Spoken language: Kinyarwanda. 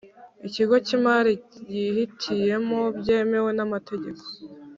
Ikigo Cy imari yihitiyemo byemewe n amategeko [